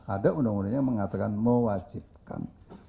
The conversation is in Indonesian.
ada undang undang yang mengatakan mewajibkan